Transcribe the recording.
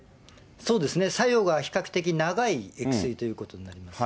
そうですね、作用が比較的長い薬ということになります。